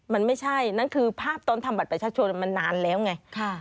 มันไม่ใช่นั่นคือภาพตอนทำบัตรประชาชนมันนานแล้วไง